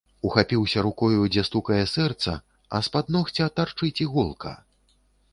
Ухапіўся рукою, дзе стукае сэрца, а з-пад ногця тарчыць іголка.